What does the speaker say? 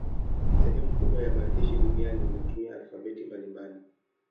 Sehemu kubwa ya maandishi duniani inatumia alfabeti mbalimbali.